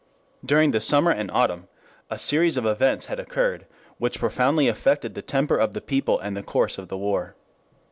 During the summer and autumn a series of events had occurred which profoundly affected the temper of the people and the course of the war.